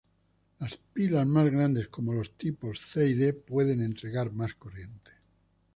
Las pilas más grandes, como los tipos C y D, pueden entregar más corriente.